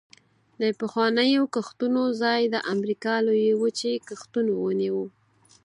د پخوانیو کښتونو ځای د امریکا لویې وچې کښتونو ونیو